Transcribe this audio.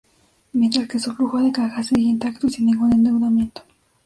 Mientras que su flujo de caja seguía intacto y sin ningún endeudamiento.